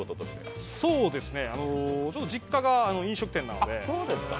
そうですね、実家が飲食店なので。